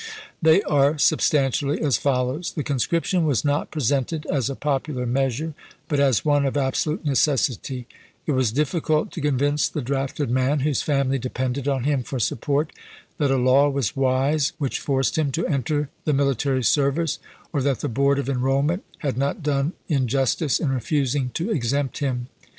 They are substantially as follows : The conscription was not presented as a popular measure, but as one of absolute necessity; it was difficult to convince the drafted man, whose family depended on him for support, that a law was wise which forced him to enter the military service, or that the Board of Enrollment had not done injustice in refusing to exempt him.